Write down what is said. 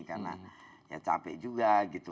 karena capek juga gitu